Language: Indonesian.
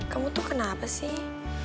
kamu tuh kenapa sih